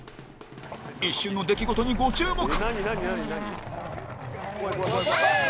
一瞬の出来事にご注目。